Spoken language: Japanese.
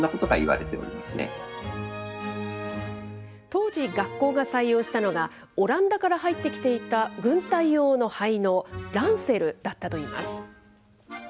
当時、学校が採用したのがオランダから入ってきていた軍隊用の背のう、ランセルだったといいます。